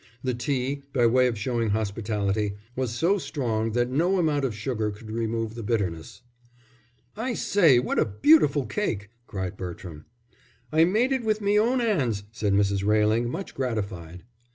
The tea, by way of showing hospitality, was so strong that no amount of sugar could remove the bitterness. "I say, what a beautiful cake!" cried Bertram. "I made it with my own 'ands," said Mrs. Railing, much gratified.